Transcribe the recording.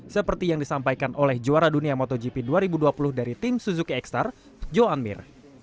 seperti yang disampaikan oleh juara dunia motogp dua ribu dua puluh dari tim suzuki x star johan mir